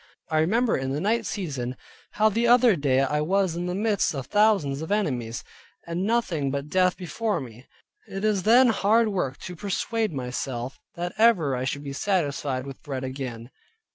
I remember in the night season, how the other day I was in the midst of thousands of enemies, and nothing but death before me. It is then hard work to persuade myself, that ever I should be satisfied with bread again.